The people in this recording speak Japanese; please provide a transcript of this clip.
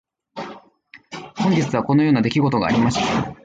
本日はこのような出来事がありました。